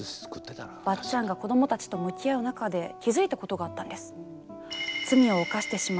ばっちゃんが子どもたちと向き合う中で気付いたことがあったんです。